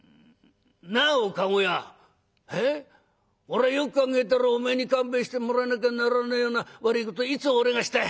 「俺はよく考えたらおめえに勘弁してもらわなきゃならねえような悪いこといつ俺がした？」。